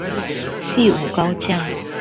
汐五高架